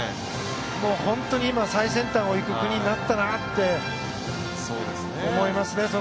本当に今、最先端を行く国になったなって思いますね。